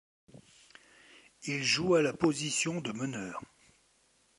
Il joue à la position de meneur.